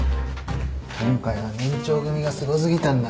今回は年長組がすごすぎたんだ。